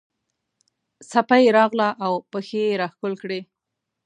څپه یې راغله او پښې یې راښکل کړې.